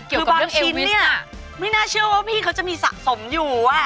คือบางชิ้นเนี่ยไม่น่าเชื่อว่าพี่เขาจะมีสะสมอยู่